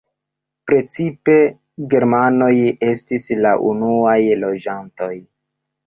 Precipe germanoj estis la unuaj loĝantoj.